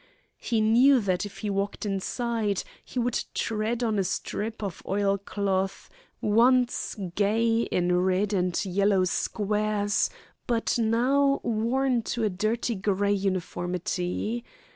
He knew that if he walked inside he would tread on a strip of oilcloth, once gay in red and yellow squares, but now worn to a dirty grey uniformity.